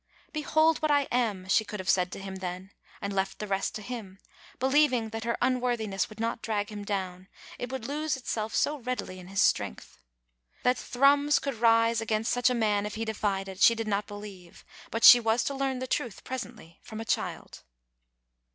" Behold what I am," she could have said to him then, and left the rest to him, believ ing that her unworthiness would not drag him down, it would lose itself so readil)^ in his strength. That Thrums could rise against such a man if he defied it, she did not believe; but she was to learn the truth presently from a child.